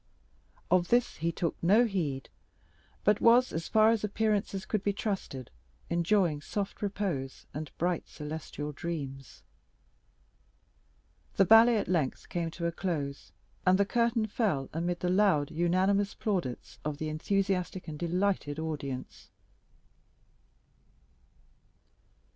Of this he took no heed, but was, as far as appearances might be trusted, enjoying soft repose and bright celestial dreams. The ballet at length came to a close, and the curtain fell amid the loud, unanimous plaudits of an enthusiastic and delighted audience.